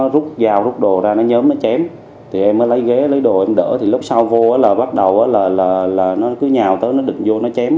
rút dao rút đồ ra nó nhóm nó chém thì em mới lấy ghế lấy đồ em đỡ thì lúc sau vô là bắt đầu là nó cứ nhào tới nó đựng vô nó chém